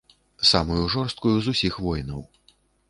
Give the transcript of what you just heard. Самую жорсткую з усіх войнаў.